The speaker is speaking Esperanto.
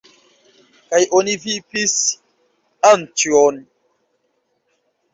Kaj oni vipis Anĉjon.